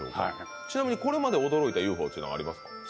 ちなみにこれまでに驚いたＵＦＯはありますか？